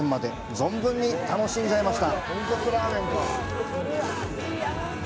存分に楽しんじゃいました！